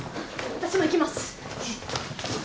私も行きます。